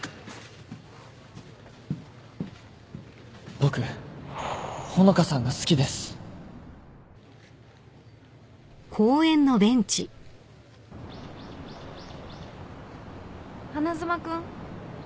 僕穂香さんが好きです・花妻君。